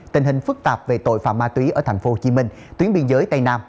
tình hình phức tạp về tội phạm ma túy ở tp hcm tuyến biên giới tây nam